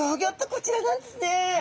こちらなんですね。